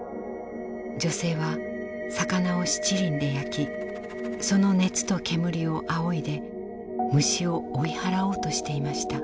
女性は魚を七輪で焼きその熱と煙をあおいで虫を追い払おうとしていました。